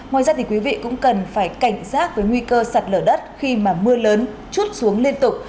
ngoài ra thì quý vị cũng cần phải cảnh giác với nguy cơ sạt lở đất khi mà mưa lớn chút xuống liên tục